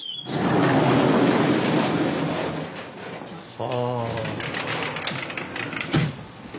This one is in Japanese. ああ。